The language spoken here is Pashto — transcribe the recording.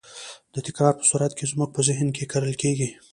د تکرار په صورت کې زموږ په ذهن کې کرل کېږي.